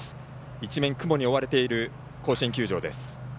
一面雲に覆われている甲子園球場です。